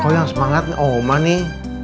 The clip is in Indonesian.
oh yang semangatnya oma nih